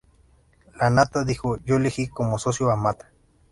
Lanata dijo “Yo elegí como socio a Mata.